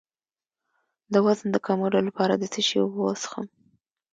د وزن د کمولو لپاره د څه شي اوبه وڅښم؟